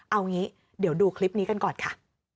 เอางี้เดี๋ยวดูคลิปนี้กันก่อนค่ะ